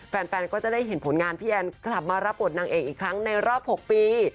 แฟนก็จะได้เห็นผลงานพี่แอนกลับมารับบทนางเอกอีกครั้งในรอบ๖ปี